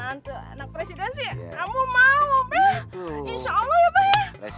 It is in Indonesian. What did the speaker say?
anak anak presiden sih kamu mau pak